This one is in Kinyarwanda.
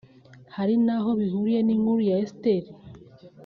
Hari aho bihuriye n'inkuru ya Esiteri